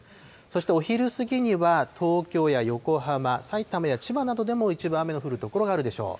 そしてお昼過ぎには、東京や横浜、さいたまや千葉などでも一部、雨の降る所があるでしょう。